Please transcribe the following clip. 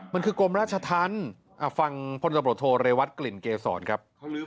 มันคือกลมราชทันฟังคนสมโปรโทอาร์เรวัตรกลิ่นเกษรครับ